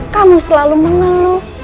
kamu selalu mengeluh